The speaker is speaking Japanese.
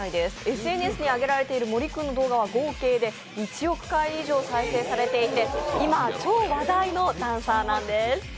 ＳＮＳにあげられている森君の動画は合計１億回以上再生されていて今超話題のダンサーなんです。